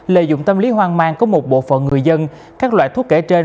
lợi dụng tâm lý hoang mang của một bộ phận người dân các loại thuốc kể trên